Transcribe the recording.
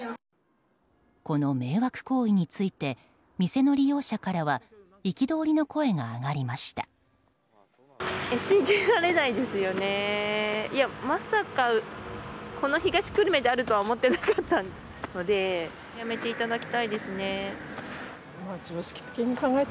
この迷惑行為について店の利用者からは憤りの声が上がりました。